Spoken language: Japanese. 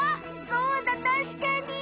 そうだたしかに。